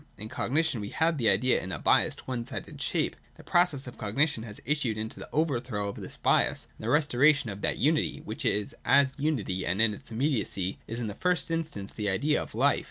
In cog nition we had the idea in a biassed, one sided shape. The process of cognition has issued in the overthrow of this bias and the restoration of that unity, which as unity, and in its immediacy, is in the first instance the Idea of Life.